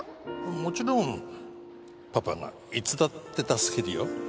もちろんパパがいつだって助けるよ